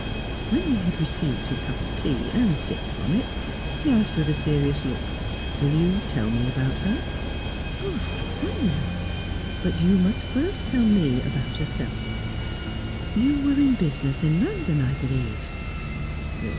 When he had received his cup of tea, and sipped from it, he asked with a serious look: "Will you tell me about her?" "Of course I will. But you must first tell me about yourself. You were in business in London, I believe?"